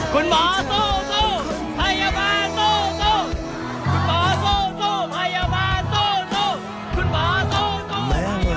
คุณหมอซู่ซู่พยาบาลซู่ซู่